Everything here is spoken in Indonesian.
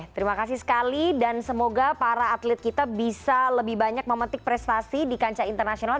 terima kasih sekali dan semoga para atlet kita bisa lebih banyak memetik prestasi di kancah internasional